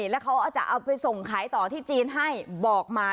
แล้วเขาจะเอาไปส่งขายต่อที่จีนให้บอกมา